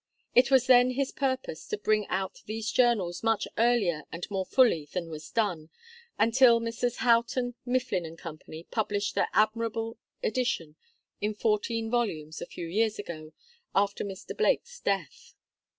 It was then his purpose to bring out these Journals much earlier and more fully than was done, until Messrs. Houghton, Mifflin & Co. published their admirable edition in fourteen volumes, a few years ago, after Mr. Blake's death.